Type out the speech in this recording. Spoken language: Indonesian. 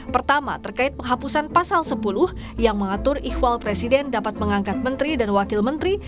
pertama terkait penghapusan pasal sepuluh yang mengatur ikhwal presiden dapat mengangkat menteri dan wakil menteri